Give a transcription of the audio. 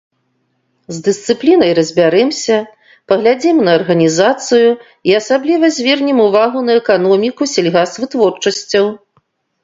З дысцыплінай разбярэмся, паглядзім на арганізацыю і асабліва звернем увагу на эканоміку сельгасвытворчасцяў.